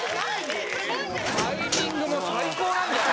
「タイミングも最高なんだよな」